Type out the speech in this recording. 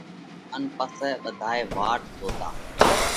ان پسئہ ٻڌائي واٽ زوتا۔